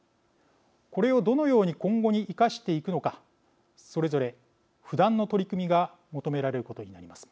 これをどのように今後に生かしていくのかそれぞれ不断の取り組みが求められることになります。